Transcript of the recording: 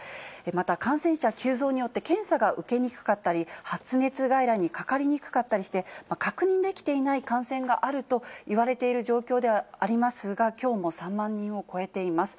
また、感染者急増によって検査が受けにくかったり、発熱外来にかかりにくかったりして、確認できていない感染があるといわれている状況ではありますが、きょうも３万人を超えています。